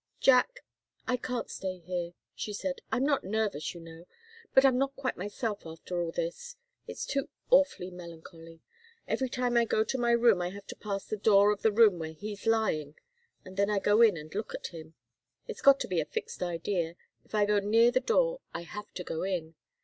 "Jack I can't stay here," she said. "I'm not nervous, you know, but I'm not quite myself after all this. It's too awfully melancholy. Every time I go to my room I have to pass the door of the room where he's lying and then I go in and look at him. It's got to be a fixed idea if I go near the door I have to go in.